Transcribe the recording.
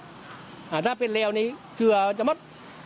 ถ้าไม่เป็นแล้วนี้เชือกจะหมด